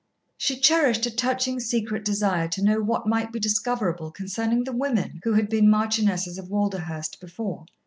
She cherished a touching secret desire to know what might be discoverable concerning the women who had been Marchionesses of Walderhurst before.